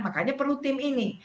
makanya perlu tim ini